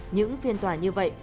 những phiên tòa như vậy